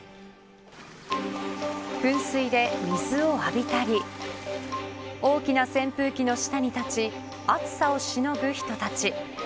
噴水で水を浴びたり大きな扇風機の下に立ち暑さをしのぐ人たち。